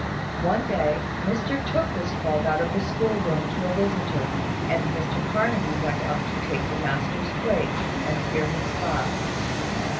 One day, Mr Tooke was called out of the school room to a visitor, and Mr Carnaby went up to take the master's place, and hear his class.